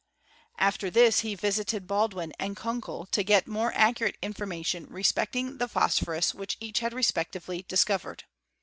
After this he visited Baldwin and Kunkel, to get more accurate information respecting the phosphorns which each had respectively discovered.